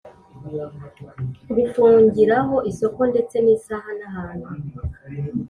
Gufungiraho isoko ndetse n isaha n ahantu